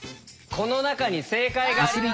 この中に正解があります。